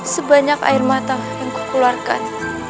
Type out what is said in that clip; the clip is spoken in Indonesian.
sebanyak air mata yang kukularkan